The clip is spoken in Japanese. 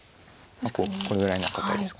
これぐらいが堅いですか。